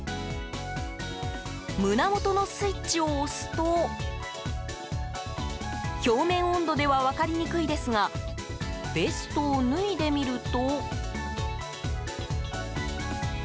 胸元のスイッチを押すと表面温度では分かりにくいですがベストを脱いでみると。